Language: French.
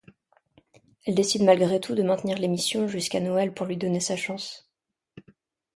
Elle décide malgré tout de maintenir l'émission jusqu'à Noël pour lui donner sa chance.